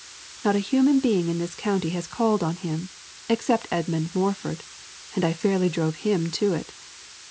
Not a human being in the county has called on him, except Edmund Morford, and I fairly drove him to it.